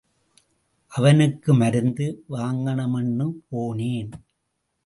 அவனுக்கு மருந்து வாங்கனும்னு போனேன்.